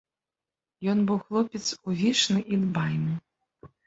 Ён быў хлопец увішны і дбайны.